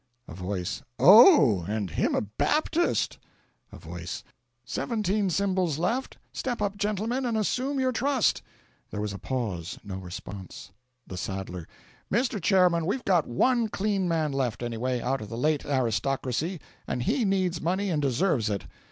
A Voice. "Oh, and him a Baptist!" A Voice. "Seventeen Symbols left! Step up, gentlemen, and assume your trust!" There was a pause no response. The Saddler. "Mr. Chairman, we've got ONE clean man left, anyway, out of the late aristocracy; and he needs money, and deserves it.